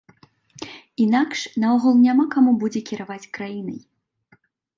Інакш наогул няма каму будзе кіраваць краінай.